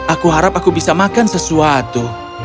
aku harap aku bisa makan sesuatu